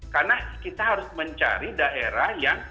karena kita harus mencari daerah yang